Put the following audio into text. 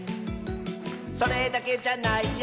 「それだけじゃないよ」